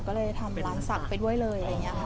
ก็เลยทำร้านศักดิ์ไปด้วยเลยอะไรอย่างนี้ค่ะ